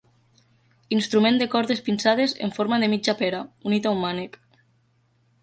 Instrument de cordes pinçades en forma de mitja pera, unit a un mànec.